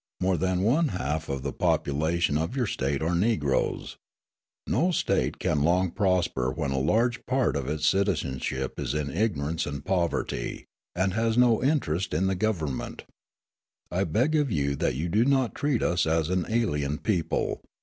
More than one half of the population of your State are Negroes. No State can long prosper when a large part of its citizenship is in ignorance and poverty, and has no interest in the government. I beg of you that you do not treat us as an alien people.